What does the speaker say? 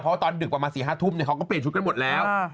เพราะว่าตอนดึกประมาณ๔๕ทุ่มเขาก็เปลี่ยนชุดกันหมดแล้ว